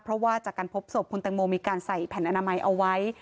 เพราะว่าจากการพบศพคุณแตงโมมีการใส่แผ่นอนามัยเอาไว้